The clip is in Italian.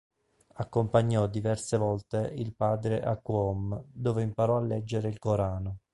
Accompagnò diverse volte il padre a Qom dove imparò a leggere il Corano.